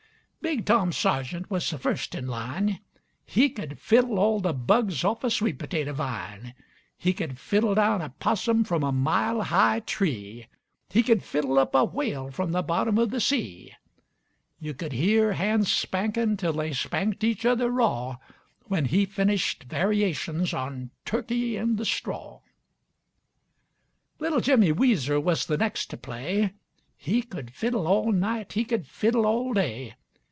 Big Tom Sargent was the first in line; He could fiddle all the bugs off a sweet potato vine. He could fiddle down a possum from a mile high tree, He could fiddle up a whale from the bottom of the sea. Yuh could hear hands spankin' till they spanked each other raw, When he finished variations on 'Turkey in the Straw.' Little Jimmy Weezer was the next to play; He could fiddle all night, he could fiddle all day.